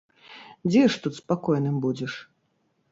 Дзе ж тут спакойным будзеш?